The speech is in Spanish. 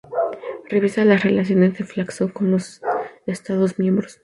Revisa las relaciones de la Flacso con los Estados Miembros.